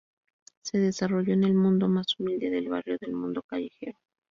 Se desarrolló en el mundo más humilde, del barrio, del mundo callejero.